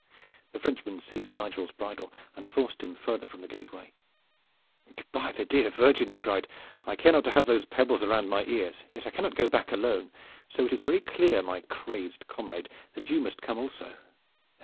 The Frenchman seized Nigel's bridle and forced him farther from the gateway. "By the dear Virgin!" he cried, "I care not to have those pebbles about my ears, yet I cannot go back alone, so it is very clear, my crazy comrade, that you must come also.